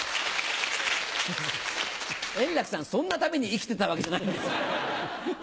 円楽さん、そんなために生きてたわけじゃないんですよ。